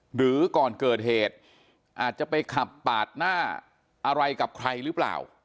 หรือก่อนเกิดเหตุอาจจะไปขับปาดหน้าอะไรกับใครหรือเปล่า